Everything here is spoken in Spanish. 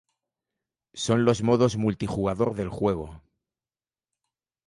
Son los modos multijugador del juego.